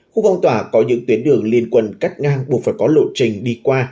khu phong tỏa có những tuyến đường liên quân cắt ngang buộc phải có lộ trình đi qua